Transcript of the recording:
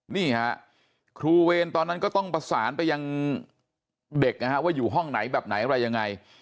นี่ฮะครูเวรตอนนั้นก็ต้องประสานไปยังเด็กนะฮะว่าอยู่ห้องไหนแบบไหนอะไรยังไง